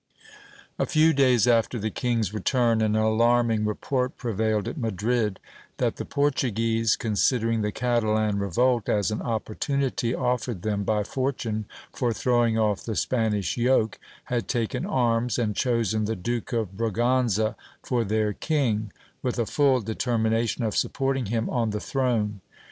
A FEW days after the king's return, an alarming report prevailed at Madrid, that the Portuguese, considering the Catalan revolt as an opportunity offered them by fortune for throwing off the Spanish yoke, had taken arms, and chosen the Duke of Braganza for their king, with a full determination of supporting him on the throne.